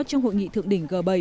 trong hội nghị thượng đỉnh g bảy